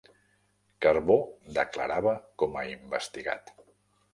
Carbó declarava com a investigat